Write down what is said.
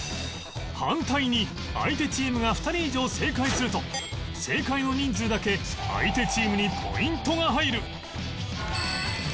反対に相手チームが２人以上正解すると正解の人数だけ相手チームにポイントが入る